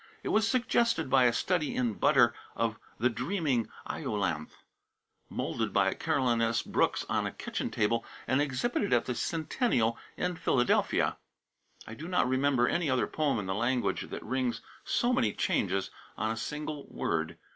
It was suggested by a study in butter of "The Dreaming Iolanthe," moulded by Caroline S. Brooks on a kitchen table, and exhibited at the Centennial in Philadelphia. I do not remember any other poem in the language that rings so many changes on a single word.